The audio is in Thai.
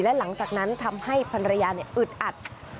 และหลังจากนั้นทำให้ภรรยาอึดอัด